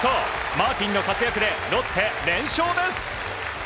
マーティンの活躍でロッテ連勝です。